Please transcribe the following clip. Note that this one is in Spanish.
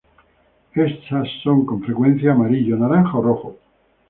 Esas son con frecuencia amarillo, naranja o rojo.